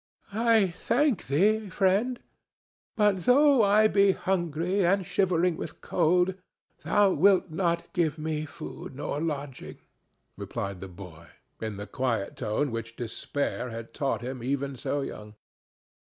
"I thank thee, friend, but, though I be hungry and shivering with cold, thou wilt not give me food nor lodging," replied the boy, in the quiet tone which despair had taught him even so young.